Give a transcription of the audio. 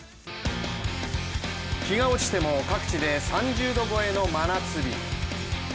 日が落ちても各地で３０度超えの真夏日。